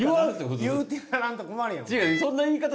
言うてやらんと困るやん。